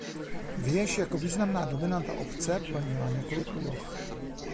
Věž jako významná dominanta obce plnila několik úloh.